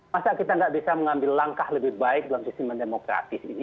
masa kita tidak bisa mengambil langkah lebih baik dalam sistem yang demokratis ini